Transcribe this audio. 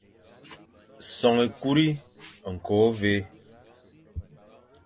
Son ékuri, ñko, ôvè,